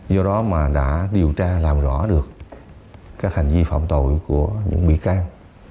do đó mà đã điều tra làm rõ được các hành vi phạm tội của những bị can